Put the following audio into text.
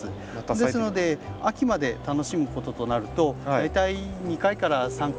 ですので秋まで楽しむこととなると大体２回から３回。